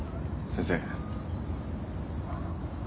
先生。